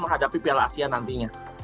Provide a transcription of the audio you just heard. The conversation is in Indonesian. menghadapi piala asia nantinya